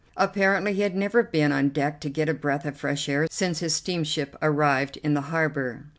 Apparently he had never been on deck to get a breath of fresh air since his steamship arrived in the harbour.